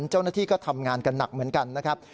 เจ้าหน้าที่ก็ทำงานกันหนักเหมือนกันนะครับ